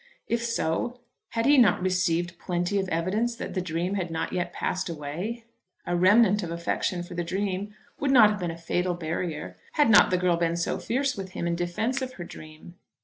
If so, had he not received plenty of evidence that the dream had not yet passed away? A remnant of affection for the dream would not have been a fatal barrier, had not the girl been so fierce with him in defence of her dream.